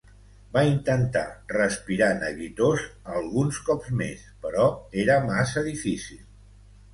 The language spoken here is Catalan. Va intentar respirar neguitós alguns cops més però era massa difícil.